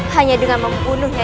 hanya dengan membunuhnya